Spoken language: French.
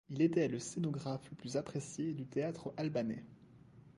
Il était le scénographe le plus apprécié du théâtre albanais.